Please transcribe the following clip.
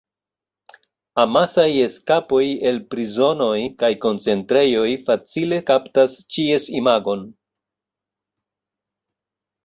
Amasaj eskapoj el prizonoj kaj koncentrejoj facile kaptas ĉies imagon.